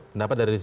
pendapat dari rizik